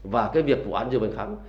và cái việc tội phạm dự bình kháng